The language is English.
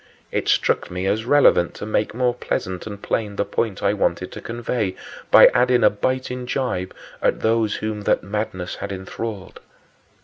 It struck me as relevant to make more pleasant and plain the point I wanted to convey by adding a biting gibe at those whom that madness had enthralled.